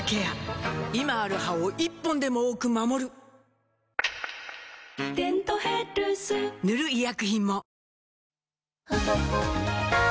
今ある歯を１本でも多く守る「デントヘルス」塗る医薬品も